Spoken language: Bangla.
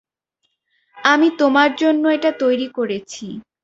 আমি তোমার জন্য এটা তৈরি করেছি।